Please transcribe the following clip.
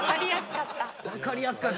わかりやすかった。